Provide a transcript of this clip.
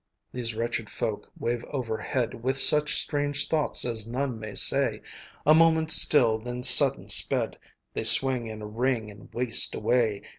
These wretched folk wave overhead, With such strange thoughts as none may say; A moment still, then sudden sped, They swing in a ring and waste away.